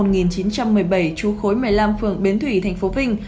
trú khối một mươi năm phường biến thủy tp vinh